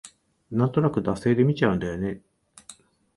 なんとなく惰性で見ちゃうんだよね